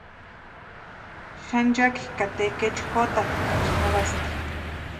Xanchaki ka tekechu jotakataksï jarhasti.